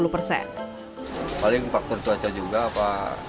paling faktor cuaca juga apa